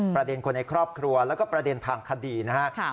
ประเด็นคนในครอบครัวแล้วก็ประเด็นทางคดีนะครับ